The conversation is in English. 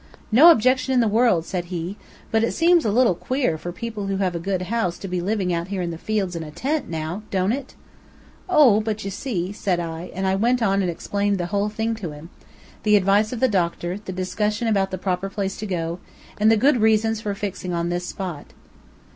"No objection in the world," said he; "but it seems a little queer for people who have a good house to be living out here in the fields in a tent, now, don't it?" "Oh, but you see," said I, and I went on and explained the whole thing to him, the advice of the doctor, the discussion about the proper place to go to, and the good reasons for fixing on this spot.